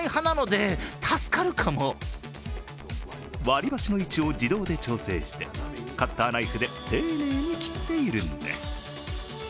割り箸の位置を自動で調整してカッターナイフで丁寧に切っているんです。